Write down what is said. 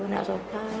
nggak usah pak